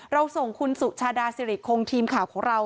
เราส่งคุณสุชาดาสิริคงทีมข่าวของเรา